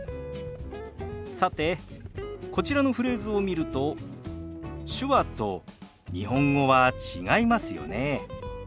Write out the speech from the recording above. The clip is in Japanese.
さてこちらのフレーズを見ると手話と日本語は違いますよね。